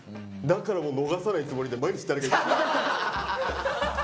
だからもう逃さないつもりで毎日。